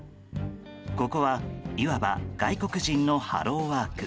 ここは、いわば外国人のハローワーク。